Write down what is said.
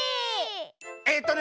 えっとね